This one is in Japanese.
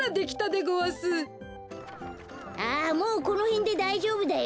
あもうこのへんでだいじょうぶだよ。